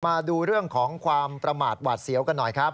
มาดูเรื่องของความประมาทหวาดเสียวกันหน่อยครับ